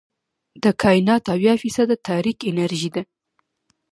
د کائنات اويا فیصده تاریک انرژي ده.